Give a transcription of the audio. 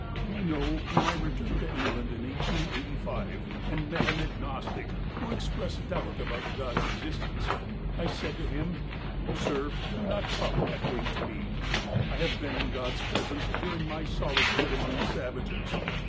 Do you know, when I returned to England in 1885, and met an agnostic, who expressed doubt about God's existence, I said to him : "Sir, do not talk that way to me. I have been in God's presence during my solitude among the savages.